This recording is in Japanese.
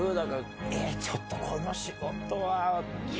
えっ、ちょっとこの仕事は。